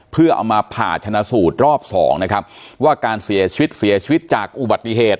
เพื่อเอามาผ่าชนะสูตรรอบสองนะครับว่าการเสียชีวิตเสียชีวิตจากอุบัติเหตุ